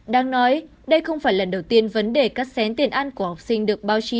đang nói đây không phải lần đầu tiên vấn đề cắt xén tiền ăn của học sinh được báo chí